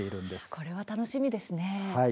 これは楽しみですね。